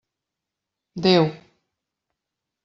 Déu!